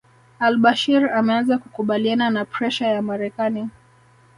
AlBashir ameanza kukubaliana na presha ya Marekani